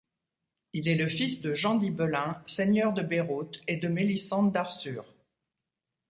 Il est le fils de Jean d'Ibelin, seigneur de Beyrouth, et de Mélisente d'Arsur.